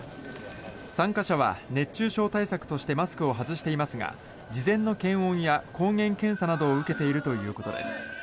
参加者は熱中症対策としてマスクを外していますが事前の検温や抗原検査などを受けているということです。